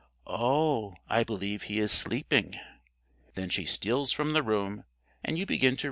"Oh, I believe he is sleeping." Then she steals from the room, and you begin to read again.